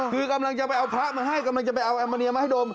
คือกำลังจะไปเอาพระมาให้กำลังจะไปเอาแอมมาเนียมาให้ดม